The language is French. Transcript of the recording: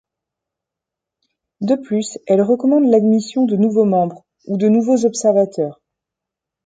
De plus, elle recommande l'admission de nouveaux membres, ou de nouveaux observateurs.